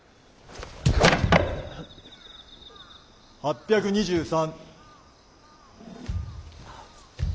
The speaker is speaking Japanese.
８２３。